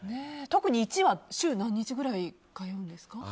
特に１位は週何日くらい通うんですか？